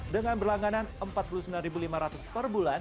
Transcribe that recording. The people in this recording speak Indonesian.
dengan berlangganan rp empat puluh sembilan lima ratus per bulan